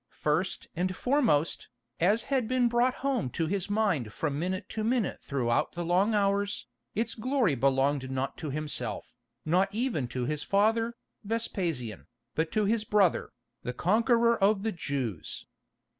First and foremost, as had been brought home to his mind from minute to minute throughout the long hours, its glory belonged not to himself, not even to his father, Vespasian, but to his brother, the conqueror of the Jews.